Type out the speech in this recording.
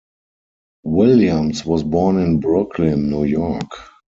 Williams was born in Brooklyn, New York.